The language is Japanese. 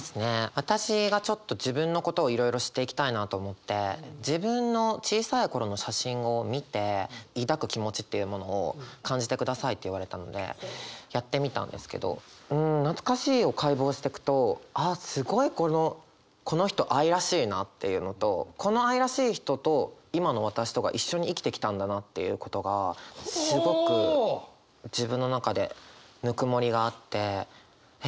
私がちょっと自分のことをいろいろ知っていきたいなと思って自分の小さい頃の写真を見て抱く気持ちっていうものを感じてくださいって言われたのでやってみたんですけどうん懐かしいを解剖してくとあっすごいこのこの人愛らしいなっていうのとこの愛らしい人と今の私とが一緒に生きてきたんだなっていうことがすごく自分の中でぬくもりがあってえ